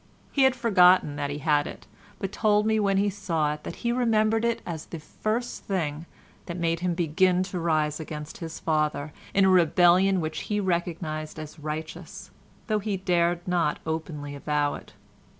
He had forgotten that he had it, but told me when he saw it that he remembered it as the first thing that made him begin to rise against his father in a rebellion which he recognised as righteous, though he dared not openly avow it.